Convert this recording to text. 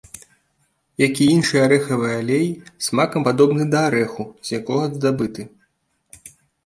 Як і іншыя арэхавыя алеі, смакам падобны да арэху, з якога здабыты.